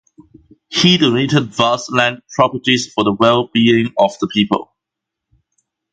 He donated vast land properties for the well-being of the people.